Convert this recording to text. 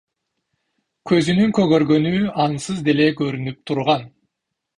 Көзүнүн көгөргөнү ансыз деле көрүнүп турган.